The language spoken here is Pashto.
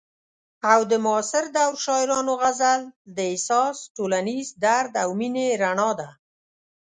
او د معاصر دور شاعرانو غزل د احساس، ټولنیز درد او مینې رڼا ده.